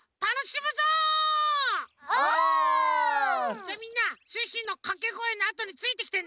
じゃあみんなシュッシュのかけごえのあとについてきてね。